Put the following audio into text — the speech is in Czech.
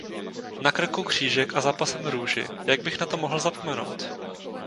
Na krku křížek a za pasem růži – jak bych to mohl zapomenout?